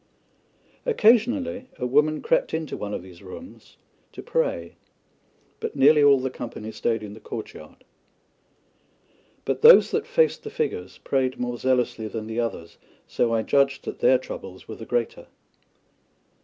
Occasionally a woman crept in to one of these rooms to pray, but nearly all the company stayed in the courtyard; but those that faced the figures prayed more zealously than the others, so I judged that their troubles were the greater.